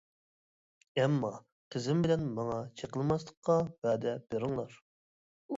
ئەمما قىزىم بىلەن ماڭا چېقىلماسلىققا ۋەدە بېرىڭلار.